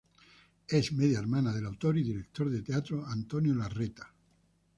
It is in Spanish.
Es media hermana del autor y director de teatro Antonio Larreta.